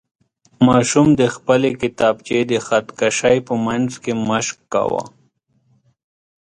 ماشوم د خپلې کتابچې د خط کشۍ په منځ کې مشق کاوه.